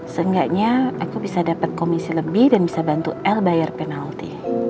seenggaknya aku bisa dapat komisi lebih dan bisa bantu el bayar penalti